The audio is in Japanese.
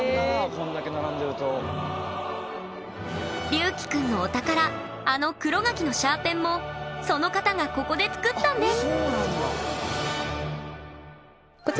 りゅうきくんのお宝あの「黒柿のシャーペン」もその方がここで作ったんです！